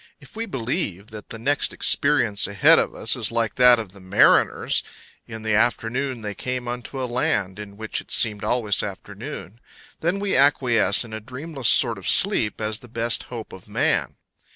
If we believe that the next experience ahead of us is like that of the mariners, In the afternoon they came unto a land In which it seemed always afternoon, then we acquiesce in a dreamless sort of sleep as the best hope of man.